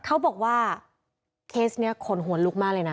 เขาบอกว่าเคสนี้ขนหัวลุกมากเลยนะ